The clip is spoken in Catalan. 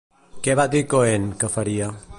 Què va dir Cohen que faria?